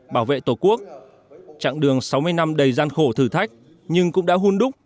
bảo vệ tổ quốc chặng đường sáu mươi năm đầy gian khổ thử thách nhưng cũng đã hôn đúc